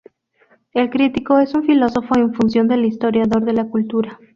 El crítico es un filósofo en función de historiador de la cultura.